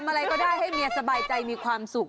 อะไรก็ได้ให้เมียสบายใจมีความสุข